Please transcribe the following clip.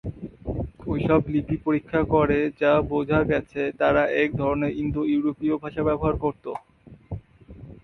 ঐসব লিপি পরীক্ষা করে যা বোঝা গেছে, তারা একধরনের ইন্দো-ইউরোপীয় ভাষা ব্যবহার করত।